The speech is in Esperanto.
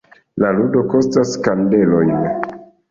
La ludo kostos kandelojn.